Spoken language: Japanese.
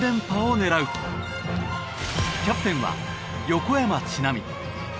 キャプテンは横山智那美。